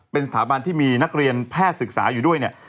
เป็นสถาบันที่มีนักเรียนแพทย์ศึกษาอยู่ด้วยเนี่ย